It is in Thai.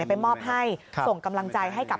ไปมอบให้ส่งกำลังใจให้กับ